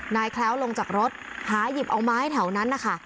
แคล้วลงจากรถหาหยิบเอาไม้แถวนั้นนะคะ